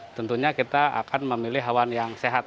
tentunya kita akan memilih hewan yang sehat